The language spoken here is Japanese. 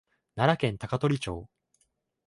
奈良県高取町